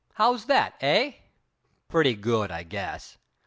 How's that, eh?" "Pretty good, I guess.